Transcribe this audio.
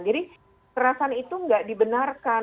jadi kekerasan itu nggak dibenarkan